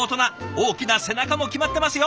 大きな背中も決まってますよ！